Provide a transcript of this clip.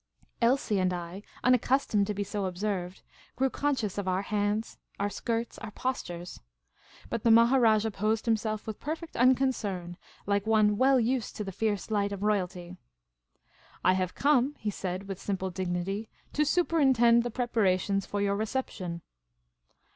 Elsie and I, unaccustomed to be so observed, grew conscious of our hands, our skirts, our postures. lUit the Maharajah posed himself with perfect unconcern, like one well used to the fierce light of royalty. " I have come," he said, with simple dignity, " to superintend the prepara tions for your reception."